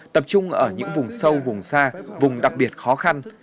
tập trung ở những vùng sâu vùng xa vùng đặc biệt khó khăn